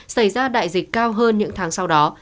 xảy ra đại dịch cao hơn những tháng sau đó